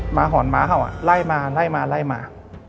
หอนหมาเห่าไล่มาไล่มาไล่มา